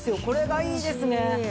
これがいいですね。